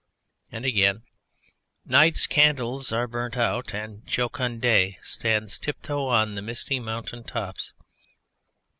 And again: Night's candles are burnt out, and jocund day Stands tiptoe on the misty mountain tops.